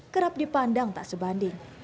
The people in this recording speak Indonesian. kerap dipandang tak sebanding